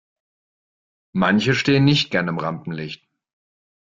Manche stehen nicht gerne im Rampenlicht.